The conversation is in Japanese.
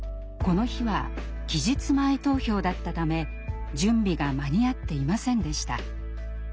この日は期日前投票だったため準備が間に合っていませんでした。